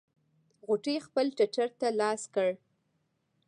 غوټۍ خپل ټټر ته لاس کړ.